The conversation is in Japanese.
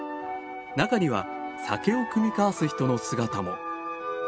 中には酒を酌み交わす人の姿も。